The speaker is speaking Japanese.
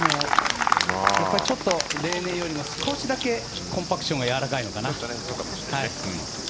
ちょっと例年よりも少しだけコンパクションがやわらかいのかな。